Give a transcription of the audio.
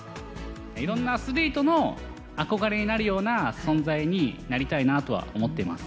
いろんなアスリートの憧れになるような存在になりたいなとは思っています。